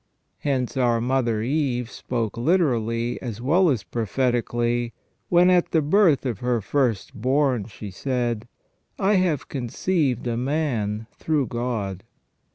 Hence our mother Eve spoke literally, as well as prophetically, when at the birth of her first born she said :" I have conceived a man through God